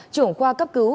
trưởng khoa cấp cứu